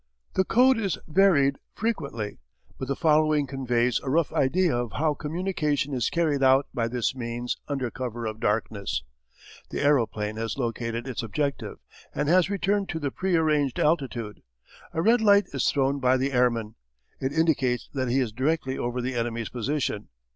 The code is varied frequently, but the following conveys a rough idea of how communication is carried out by this means under cover of darkness. The aeroplane has located its objective and has returned to the pre arranged altitude. A red light is thrown by the airman. It indicates that he is directly over the enemy's position.